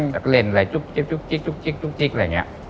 แล้วก็เล่นอะไรจุ๊บจิ๊บจุ๊บจิ๊บจุ๊บจิ๊บจุ๊บจิ๊บอะไรเนี่ย